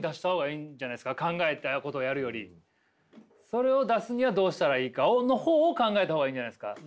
それを出すにはどうしたらいいかの方を考えた方がいいんじゃないですか。